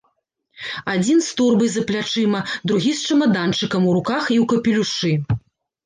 Адзін з торбай за плячыма, другі з чамаданчыкам у руках і ў капелюшы.